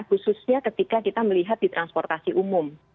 khususnya ketika kita melihat di transportasi umum